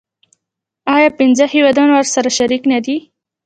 آیا پنځه هیوادونه ورسره شریک نه دي؟